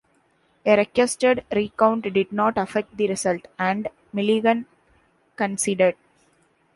A requested recount did not affect the result, and Milligan conceded.